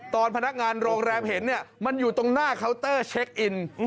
พนักงานโรงแรมเห็นเนี่ยมันอยู่ตรงหน้าเคาน์เตอร์เช็คอิน